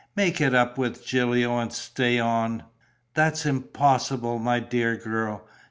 "Make it up with Gilio and stay on." "That's impossible, my dear girl.